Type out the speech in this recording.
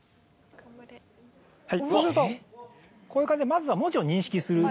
そうするとこういう感じで。